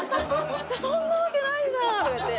そんなわけないじゃん！とかって。